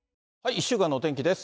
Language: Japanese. １週間のお天気です。